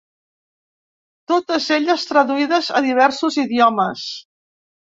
Totes elles traduïdes a diversos idiomes.